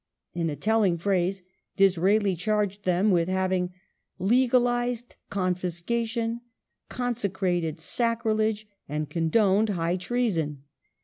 In a telling phrase, Disraeli charged them with having " legalized confiscation, consecrated sacrilege, and condoned high treason